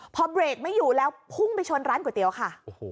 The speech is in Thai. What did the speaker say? พอเบรกไม่อยู่แล้วพุ่งไปชนร้านก๋วยเตี๋ยวค่ะ